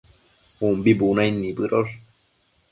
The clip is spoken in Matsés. umbi bunaid nibëdosh